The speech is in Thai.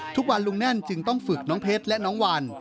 ทุกวันลุงแน่นจึงต้องฝึกน้องเพชรและน้องวัน